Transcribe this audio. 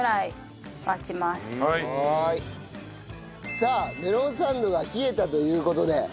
さあメロンサンドが冷えたという事で。